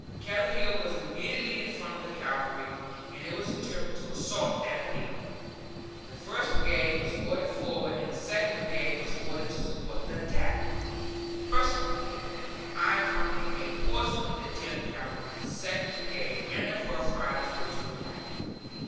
Kettle Hill was immediately in front of the Cavalry, and it was determined to assault that hill. The First Brigade was ordered forward, and the Second Brigade was ordered to support the attack; personally, I accompanied a portion of the Tenth Cavalry, Second Brigade, and the Rough Riders were to the right.